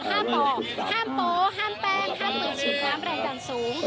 ห้ามปอกห้ามโป๊ห้ามแป้งห้ามปืนฉีดน้ำแรงดันสูง